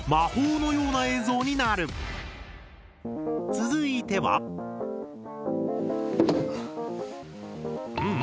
続いては。んん？